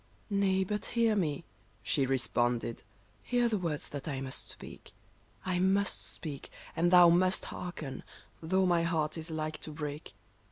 *' Nay, but hear me," she responded ;" hear the words that I must speak ; I must speak, and thou must hearken, though my heart is like to break.